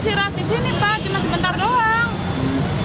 saya rahasi sini pak cuma sebentar doang